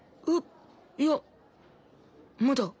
いいやまだ。